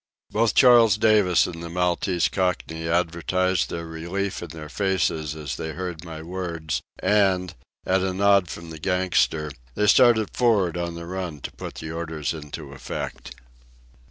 Both Charles Davis and the Maltese Cockney advertised their relief in their faces as they heard my words, and, at a nod from the gangster, they started for'ard on the run to put the orders into effect.